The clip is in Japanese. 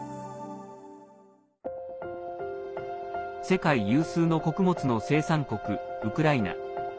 世界有数の穀物の生産国ウクライナ。